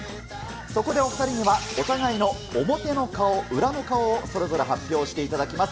そこでお２人には、お互いのオモテの顔、ウラの顔をそれぞれ発表していただきます。